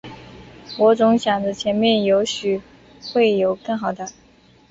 我总想着前面也许会有更好的